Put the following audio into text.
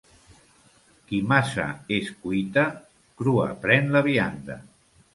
Qui massa es cuita, crua pren la vianda.